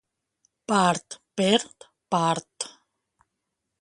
Part per part.